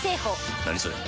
何それ？